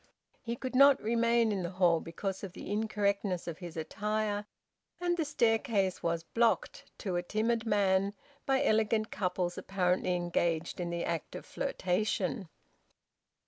He could not remain in the hall because of the incorrectness of his attire, and the staircase was blocked, to a timid man, by elegant couples apparently engaged in the act of flirtation.